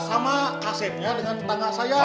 sama asepnya dengan tetangga saya